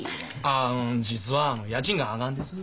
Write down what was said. あの実は家賃が上がんです。